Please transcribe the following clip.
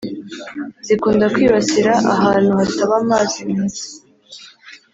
zikunda kwibasira ahantu hataba amazi meza